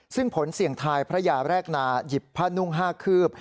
ซึ่งผลเสี่ยงทายพระยาแรกนาหยิบผ้านุ่ง๕คืบ